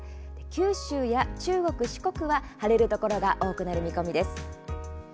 九州や中国・四国は晴れるところが多くなる見込みです。